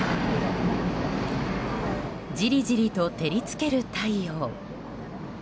じりじりと照り付ける太陽。